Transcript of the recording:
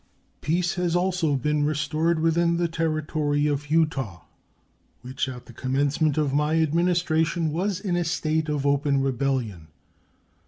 Peace has also been restored within the Territory of Utah, which at the commencement of my Administration was in a state of open rebellion.